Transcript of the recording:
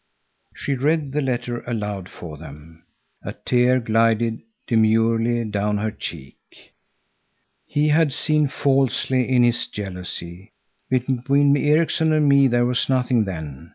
She read the letter aloud for them. A tear glided demurely down her cheek. "He had seen falsely in his jealousy. Between Erikson and me there was nothing then.